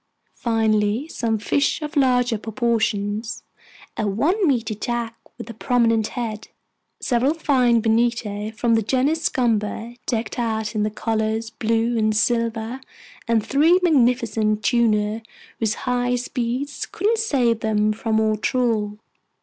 finally, some fish of larger proportions: a one meter jack with a prominent head, several fine bonito from the genus Scomber decked out in the colors blue and silver, and three magnificent tuna whose high speeds couldn't save them from our trawl.